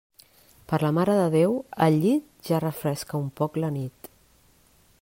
Per la Mare de Déu, al llit, ja refresca un poc la nit.